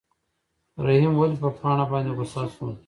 رحیم ولې په پاڼه باندې غوسه شو؟